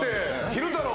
昼太郎。